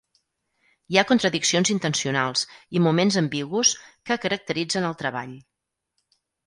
Hi ha contradiccions intencionals i moments ambigus que caracteritzen el treball.